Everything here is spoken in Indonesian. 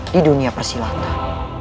di dunia persilatan